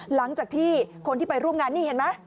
หลังจากที่คนที่ไปร่วมงานนี่เห็นไหม